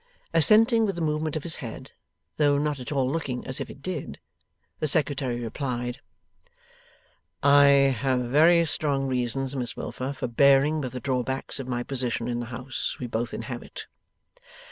Assenting with a movement of his head, though not at all looking as if it did, the Secretary replied: 'I have very strong reasons, Miss Wilfer, for bearing with the drawbacks of my position in the house we both inhabit.